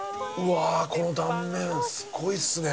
この断面すごいですね！